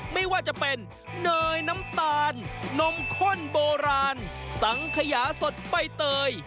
ไม่ว่าจะเป็นเนยน้ำตาลนมข้นโบราณสังขยาสดใบเตย